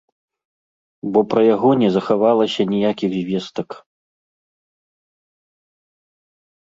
Бо пра яго не захавалася ніякіх звестак.